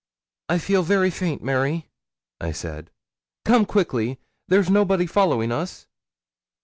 'I feel very faint, Mary,' said I. 'Come quickly. There's nobody following us?'